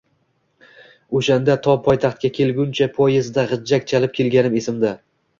O’shanda to poytaxtga kelguncha poezdda g’ijjak chalib kelganim esimda.